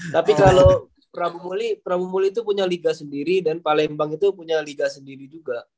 tapi kalau pramu muli itu punya liga sendiri dan palembang itu punya liga sendiri juga